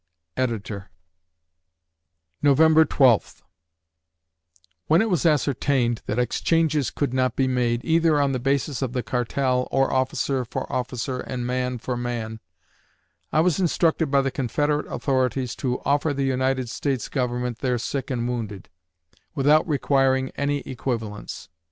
Editor] November Twelfth When it was ascertained that exchanges could not be made, either on the basis of the cartel, or officer for officer and man for man, I was instructed by the Confederate authorities to offer the United States Government their sick and wounded, without requiring any equivalents.